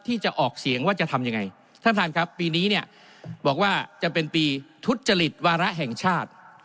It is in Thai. ที่จะออกเสียงว่าจะทำยังไงท่านท่านครับปีนี้เนี่ยบอกว่าจะเป็นปีทุจริตวาระแห่งชาติ